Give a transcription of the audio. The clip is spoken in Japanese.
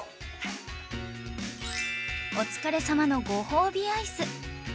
お疲れさまのご褒美アイス